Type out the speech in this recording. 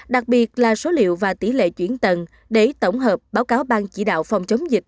đặc biệt là số liệu và tỷ lệ chuyển tầng để tổng hợp báo cáo bang chỉ đạo phòng chống dịch